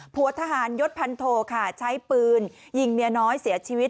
ผัวทหารยศพันโทค่ะใช้ปืนยิงเมียน้อยเสียชีวิต